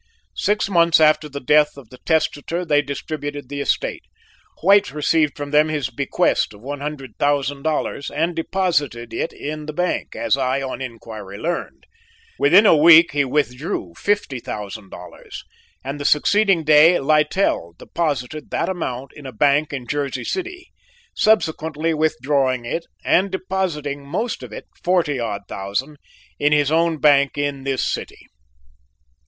"Six months after the death of the testator they distributed the estate. White received from them his bequest of one hundred thousand dollars and deposited it in the bank as I on inquiry learned; within a week he withdrew fifty thousand dollars and the succeeding day Littell deposited that amount in a bank in Jersey City, subsequently withdrawing it and depositing most of it forty odd thousand in his own bank in this city.